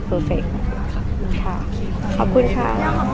เพอร์เฟคขอบคุณค่ะ